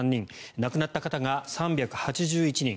亡くなった方が３８１人。